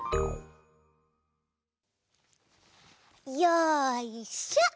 よいしょ！